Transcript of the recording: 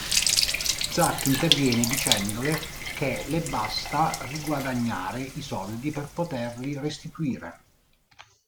Zack interviene dicendole che le basta riguadagnare i soldi per poterli restituire.